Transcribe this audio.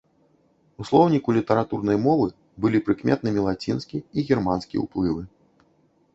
У слоўніку літаратурнай мовы былі прыкметнымі лацінскі і германскі ўплывы.